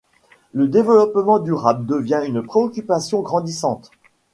Le développement durable devient une préoccupation grandissante.